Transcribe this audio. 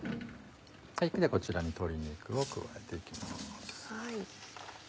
こちらに鶏肉を加えていきます。